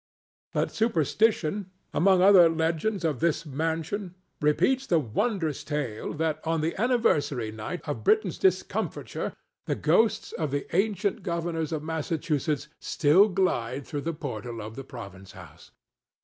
But superstition, among other legends of this mansion, repeats the wondrous tale that on the anniversary night of Britain's discomfiture the ghosts of the ancient governors of Massachusetts still glide through the portal of the Province House.